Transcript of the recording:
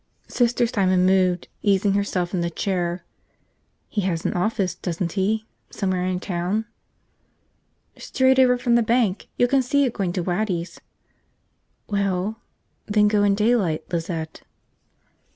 Sister Simon moved, easing herself in the chair. "He has an office, doesn't he, somewhere in town?" "Straight over from the bank. You can see it, going to Waddy's." "Well ... then go in daylight, Lizette."